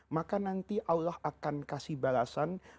maka nanti allah akan kasih balasan